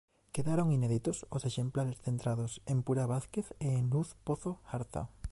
Quedaron inéditos os exemplares centrados en Pura Vázquez e en Luz Pozo Garza.